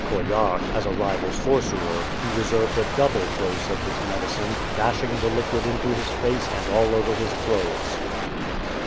Coillard, as a rival sorcerer, he reserved a double dose of his medicine, dash ing the liquid into his face and all over his clothes.